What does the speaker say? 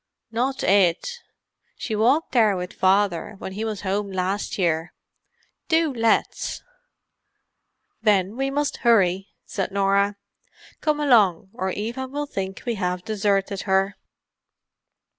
"Not it—she walked there with Father when he was home last time. Do let's." "Then we must hurry," said Norah. "Come along, or Eva will think we have deserted her."